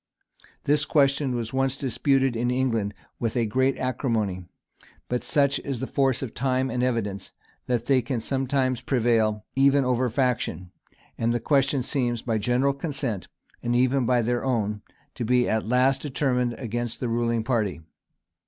This question was once disputed in England with great acrimony; but such is the force of time and evidence, that they can sometimes prevail even over faction; and the question seems, by general consent, and even by their own, to be at last determined against the ruling party.